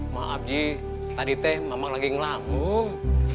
maaf ji tadi teh mamang lagi ngelamung